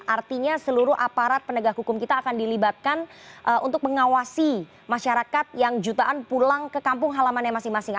artinya seluruh aparat penegak hukum kita akan dilibatkan untuk mengawasi masyarakat yang jutaan pulang ke kampung halaman yang masing masing